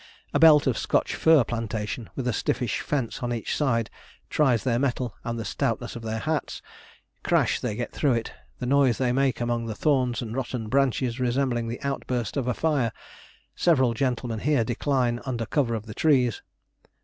A belt of Scotch fir plantation, with a stiffish fence on each side, tries their mettle and the stoutness of their hats: crash they get through it, the noise they make among the thorns and rotten branches resembling the outburst of a fire. Several gentlemen here decline under cover of the trees.